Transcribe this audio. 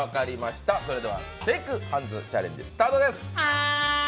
シェイクハンズチャレンジ、スタートです。